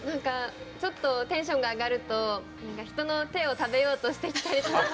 ちょっとテンションが上がると人の手を食べようとしてきたりとか。